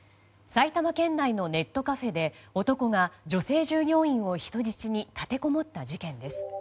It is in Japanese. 埼玉県内のネットカフェで男が女性従業員を人質に立てこもった事件です。